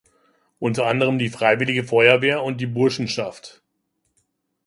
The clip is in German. Unter anderem die Freiwillige Feuerwehr und die Burschenschaft.